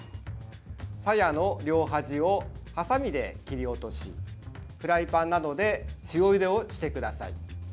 さやの両端をはさみで切り落としフライパンなどで塩ゆでをしてください。